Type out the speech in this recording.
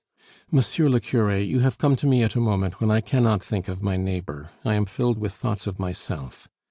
"Monsieur le cure, you have come to me at a moment when I cannot think of my neighbor, I am filled with thoughts of myself.